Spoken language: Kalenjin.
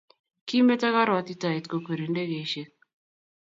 Kimetoo korwotitaet kokweri ndekeishek